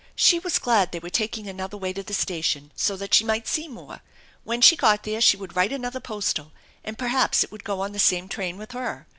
She was glad they were taking another way to the station so that she might see more. When she got there she would write another postal and perhaps it would go on the same train with her.